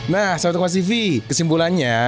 nah sahabat kompas tv kesimpulannya